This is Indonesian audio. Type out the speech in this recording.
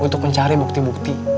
untuk mencari bukti bukti